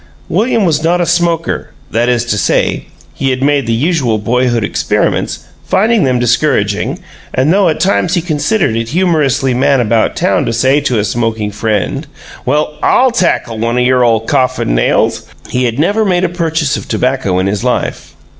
William was not a smoker that is to say, he had made the usual boyhood experiments, finding them discouraging; and though at times he considered it humorously man about town to say to a smoking friend, "Well, I'll tackle one o' your ole coffin nails," he had never made a purchase of tobacco in his life.